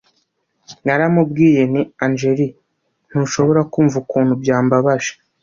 Naramubwiye nti Angel ntushobora kumva ukuntu byambabaje